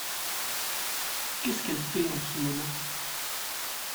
Qu’est-ce qu’elle fait en ce moment ?